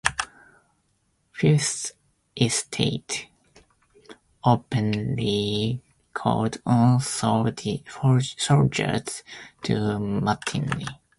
"Fifth Estate" openly called on soldiers to mutiny.